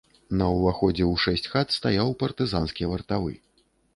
На ўваходзе ў шэсць хат стаяў партызанскі вартавы.